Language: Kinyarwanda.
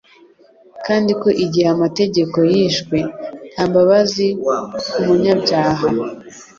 kandi ko igihe amategeko yishwe, nta mbabazi ku munyabyaha.